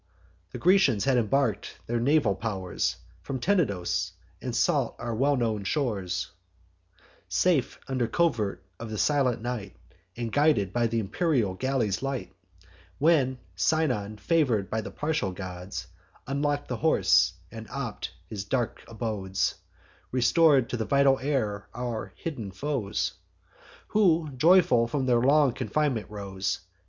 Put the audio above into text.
The Grecians had embark'd their naval pow'rs From Tenedos, and sought our well known shores, Safe under covert of the silent night, And guided by th' imperial galley's light; When Sinon, favour'd by the partial gods, Unlock'd the horse, and op'd his dark abodes; Restor'd to vital air our hidden foes, Who joyful from their long confinement rose.